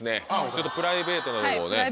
ちょっとプライベートな部分をね。